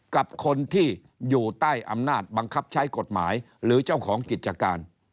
กับคนที่อยู่ใต้อำนาจบังคับใช้กฎหมายหรือเจ้าของกิจการ